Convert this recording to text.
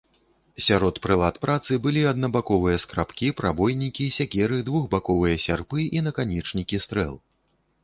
Сярод прылад працы былі аднабаковыя скрабкі, прабойнікі, сякеры, двухбаковыя сярпы і наканечнікі стрэл.